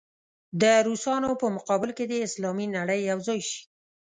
د روسانو په مقابل کې دې اسلامي نړۍ یو ځای شي.